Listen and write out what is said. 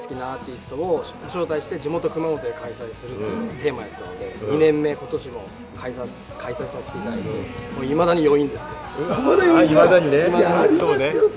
大好きなアーティストをご招待して地元・熊本で開催するというのがテーマやったんで、ことしも開催させていただいて、いまだに余韻があります。